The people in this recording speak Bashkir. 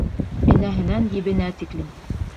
Энәһенән ебенә тиклем!